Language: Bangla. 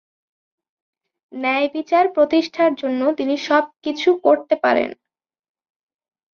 ন্যায়বিচার প্রতিষ্ঠার জন্য তিনি সব কিছু করতে পারেন।